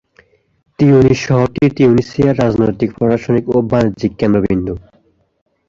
Tunis শহরটি তিউনিসিয়ার রাজনৈতিক, প্রশাসনিক ও বাণিজ্যিক কেন্দ্রবিন্দু।